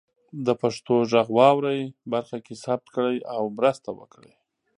د پښتو غږ واورئ برخه کې ثبت کړئ او مرسته وکړئ.